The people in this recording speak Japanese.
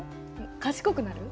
賢くなる？